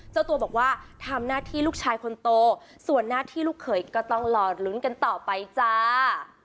เจ้าตัวบอกว่าทำหน้าที่ลูกชายคนโตส่วนหน้าที่ลูกเขยก็ต้องรอลุ้นกันต่อไปจ้า